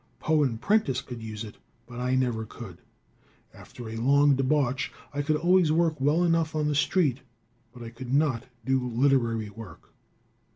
Poe and Prentice could use it, but I never could. After a long debauch, I could always work well enough on the street but I could not do literary work.